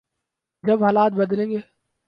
جب حالات بدلیں گے۔